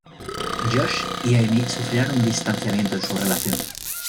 Josh y Amy sufrirán un distanciamiento en su relación.